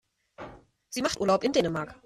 Sie macht Urlaub in Dänemark.